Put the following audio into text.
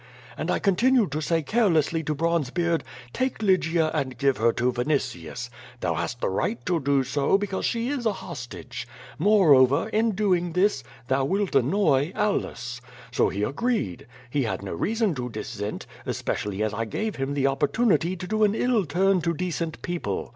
And I continued to say carelessly to Bronzebeard: *Take Lygia and give her to Vini tius. Thou hast the right to do so, because she is a hostage. 46 Q^O VADJS, Moreover, in doing this, thou wilt annoy Aulus. So he agreed. He had no reason to dissent, especially as 1 gave him the opportunity to do an ill turn to decent people.